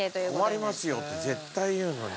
困りますよって絶対言うのに。